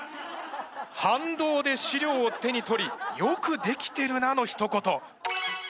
反動で資料を手に取り「よく出来てるな」のひと言。